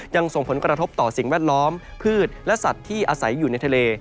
ยังส่งผลกระทบต่อสิ่งแวดล้อมพืชและสัตว์ที่อาศัยอยู่ในทะเล